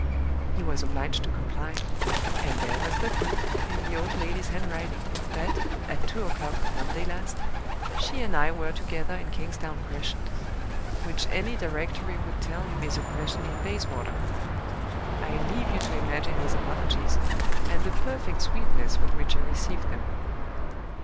He was obliged to comply; and there was the proof, in the old lady's handwriting, that, at two o'clock on Monday last, she and I were together in Kingsdown Crescent, which any directory would tell him is a 'crescent' in Bayswater! I leave you to imagine his apologies, and the perfect sweetness with which I received them.